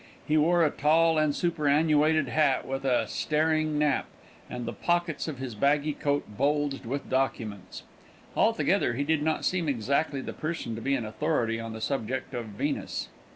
He wore a tall and superannuated hat with a staring nap, and the pockets of his baggy coat bulged with documents. Altogether he did not seem exactly the person to be an authority on the subject of Venus.